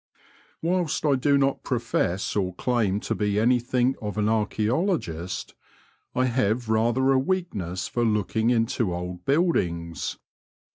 Whilst I do not profess or claim to be anything of an archsBologist, I have rather a weakness for looking into old buildings.